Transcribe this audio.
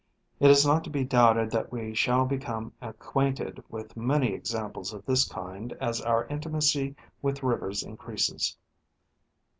It is not to be doubted that we shall become acquainted with many examples of this kind as our intimacy with rivers increases.